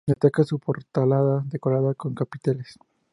Destaca su portalada decorada con capiteles.